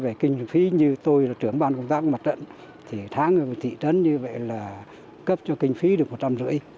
về kinh phí như tôi là trưởng ban công tác mặt trận thì tháng ở thị trấn như vậy là cấp cho kinh phí được một trăm linh rưỡi